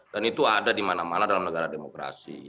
itu ada di mana mana dalam negara demokrasi